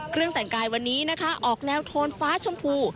แต่งกายวันนี้นะคะออกแนวโทนฟ้าชมพู